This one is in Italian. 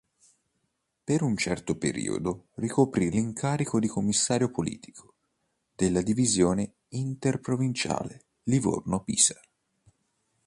Per un certo periodo ricoprì l'incarico di commissario politico della Divisione Interprovinciale Livorno-Pisa.